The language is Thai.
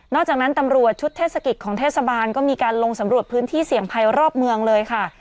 จากนั้นตำรวจชุดเทศกิจของเทศบาลก็มีการลงสำรวจพื้นที่เสี่ยงภัยรอบเมืองเลยค่ะ